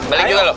balik juga lu